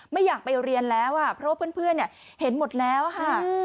ไม่อยากไปเรียนแล้วเพราะว่าเพื่อนเห็นหมดแล้วค่ะ